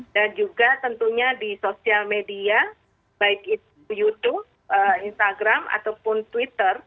dan juga tentunya di sosial media baik itu youtube instagram ataupun twitter